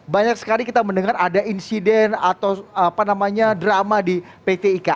banyak sekali kita mendengar ada insiden atau apa namanya drama di pt ika